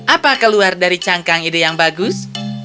apa keluar dari cangkang ide yang bagus